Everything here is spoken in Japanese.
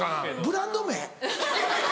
ブランド名？